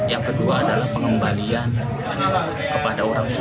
yang kedua adalah pengembalian kepada orang lain